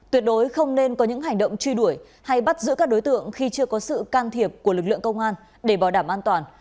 tuyệt đối không nên có những hành động truy đuổi hay bắt giữ các đối tượng khi chưa có sự can thiệp của lực lượng công an để bảo đảm an toàn